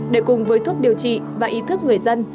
để cùng với thuốc điều trị và ý thức người dân